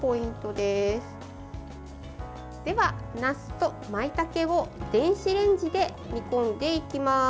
では、なすとまいたけを電子レンジで煮込んでいきます。